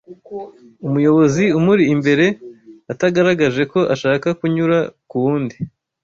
umuyobozi umuri imbere atagaragaje ko ashaka kunyura ku wundi